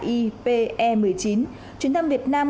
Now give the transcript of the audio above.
ipe một mươi chín chuyến thăm việt nam